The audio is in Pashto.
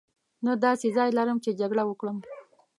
نه داسې ځای لرم چې جګړه وکړم.